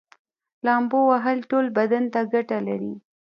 لامبو وهل ټول بدن ته ګټه لري